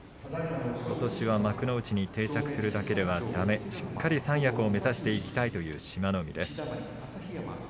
ことしは幕内に定着するだけではだめしっかり三役を目指していきたいという志摩ノ海です。